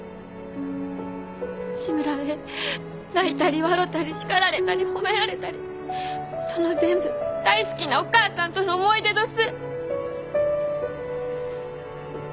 志むらで泣いたり笑うたり叱られたり褒められたりその全部大好きなお母さんとの思い出どす。